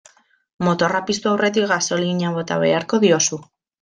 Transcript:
Motorra piztu aurretik gasolina bota beharko diozu.